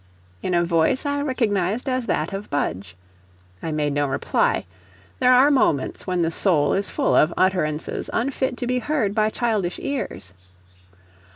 in a voice I recognized as that of Budge. I made no reply: there are moments when the soul is full of utterances unfit to be heard by childish ears.